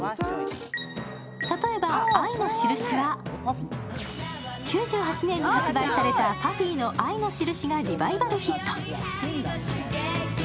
例えば、「愛のしるし」は９８年に発売されたＰＵＦＦＹの「愛のしるし」がリバイバルヒット。